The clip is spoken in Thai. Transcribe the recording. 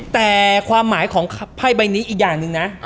แต่ความหมายของไพ่ใบนี้อีกอย่างหนึ่งนะ